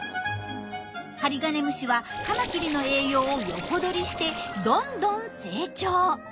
ハリガネムシはカマキリの栄養を横取りしてどんどん成長。